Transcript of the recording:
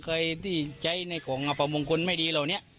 ใครที่ใช้ในของอับประมงคลไม่ดีเหรอเนี่ย